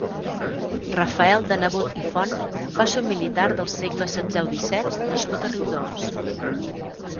Rafael de Nebot i Font va ser un militar del segle setzeu-disset nascut a Riudoms.